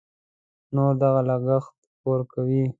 نور دغه لګښت ورکوي.